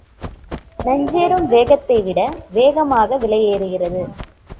நஞ்சேறும் வேகத்தை விட வேகமாக விலை ஏறுகிறது.